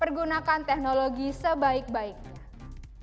pergunakan teknologi sebaik baiknya